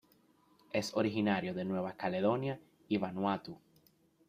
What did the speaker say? Es originario de Nueva Caledonia y Vanuatu.